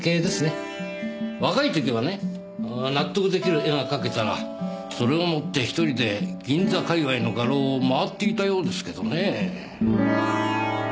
若いときはね納得できる絵が描けたらそれを持って一人で銀座界隈の画廊を回っていたようですけどね。